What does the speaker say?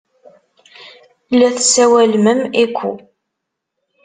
La tessawalem am Eco.